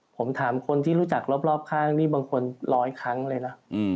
ผมถามคนที่รู้จักรอบข้างนี่บางคนร้อยครั้งเลยนะ